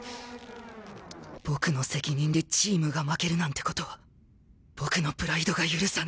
僕の責任でチームが負けるなんてことは僕のプライドが許さない！